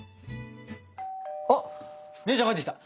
あっ姉ちゃん帰ってきた！